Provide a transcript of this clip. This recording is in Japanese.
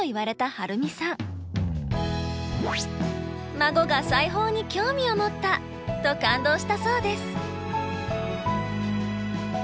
「孫が裁縫に興味を持った！」と感動したそうです。